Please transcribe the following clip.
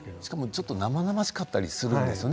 ちょっと生々しかったりするんですよね